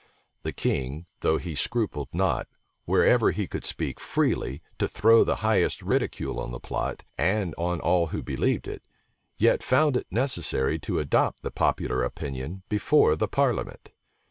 The king, though he scrupled not, wherever he could speak freely, to throw the highest ridicule on the plot, and on all who believed it, yet found it necessary to adopt the popular opinion before the parliament.